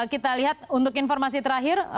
kita lihat untuk informasi terakhir